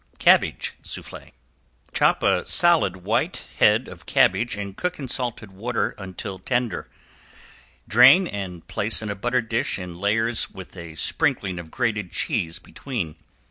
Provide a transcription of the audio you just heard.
~CABBAGE SOUFFLE~ Chop a solid white head of cabbage and cook in salted water until tender. Drain and place in a buttered dish in layers with a sprinkling of grated cheese between.